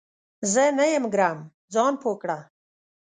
زه نه یم ګرم ، ځان پوه کړه !